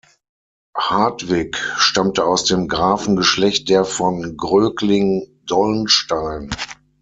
Hartwig stammte aus dem Grafengeschlecht der von Grögling-Dollnstein.